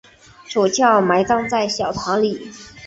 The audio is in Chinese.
主教埋葬在小堂里。